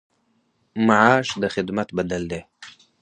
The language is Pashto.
معاش د خدمت بدل دی